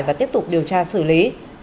và tiếp tục điều tra xử lý